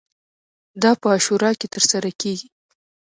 دا په عاشورا کې ترسره کیږي.